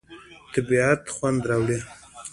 طبیعت خوند راوړي.